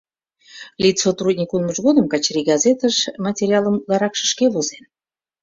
Литсотрудник улмыж годым Качырий газетыш материалым утларакше шке возен.